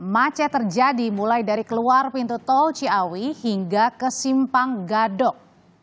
macet terjadi mulai dari keluar pintu tol ciawi hingga ke simpang gadok